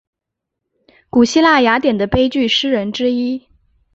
古希腊雅典的悲剧诗人之一。